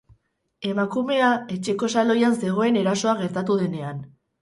Emakumea etxeko saloian zegoen erasoa gertatu denean.